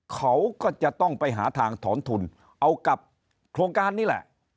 เขาก็จะต้องไปหาทางถอนทุนเอากับโครงการนี้แหละ